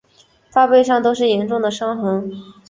她背上都是严重的伤痕